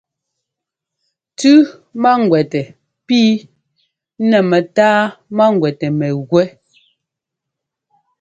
Tʉ́ máŋguɛtɛ pǐ nɛ mɛtáa máŋguɛtɛ mɛgúɛ́.